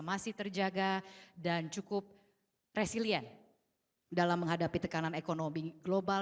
masih terjaga dan cukup resilient dalam menghadapi tekanan ekonomi global